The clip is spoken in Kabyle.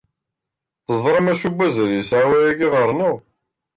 Teẓramt acu n wazal yesɛa wayagi ɣer-neɣ?